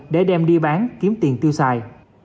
để đem đi bán kiếm tiền tiêu xài